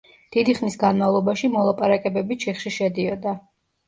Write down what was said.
დიდი ხნის განმავლობაში მოლაპარაკებები ჩიხში შედიოდა.